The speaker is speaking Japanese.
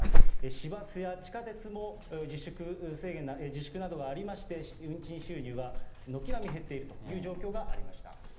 市バスや地下鉄も、自粛などがありまして、運賃収入が軒並み減っているという状況がありました。